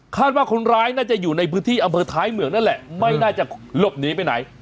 ว่าคนร้ายน่าจะอยู่ในพื้นที่อำเภอท้ายเหมืองนั่นแหละไม่น่าจะหลบหนีไปไหน